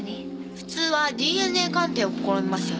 普通はＤＮＡ鑑定を試みますよね。